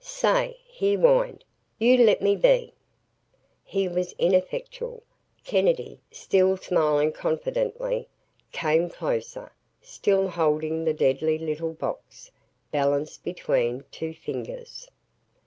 "Say," he whined, "you let me be!" It was ineffectual. Kennedy, still smiling confidently, came closer, still holding the deadly little box, balanced between two fingers.